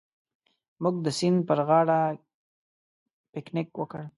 موږ د سیند پر غاړه پکنیک وکړ.